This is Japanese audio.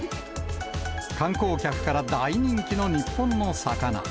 観光客から大人気の日本の魚。